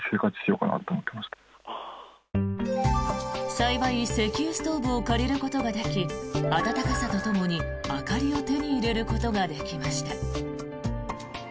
幸い、石油ストーブを借りることができ暖かさとともに明かりを手に入れることができました。